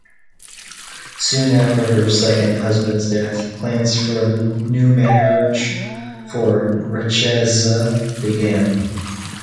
Soon after her second husband's death, plans for a new marriage for Richeza began.